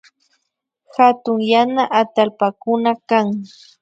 Hatun yana atallpakuna kan